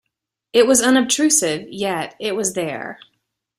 It was unobtrusive, yet it was there.